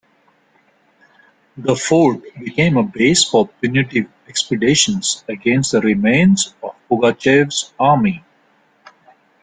The fort became a base for punitive expeditions against the remains of Pugachev's army.